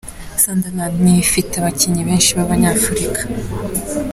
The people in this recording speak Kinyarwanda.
Sunderland niyo ifite abakinnyi benshi b’Abanyafurika.